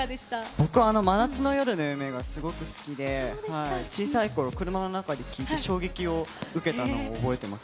僕は、真夏の夜の夢がすごく好きで、小さいころ、車の中で聴いて衝撃を受けたのを覚えてます。